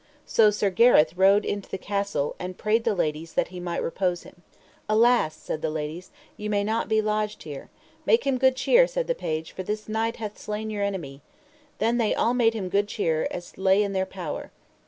So Sir Gareth rode into the castle, and prayed the ladies that he might repose him. Alas, said the ladies, ye may not be lodged here. Make him good cheer, said the page, for this knight hath slain your enemy. Then they all made him good cheer as lay in their power.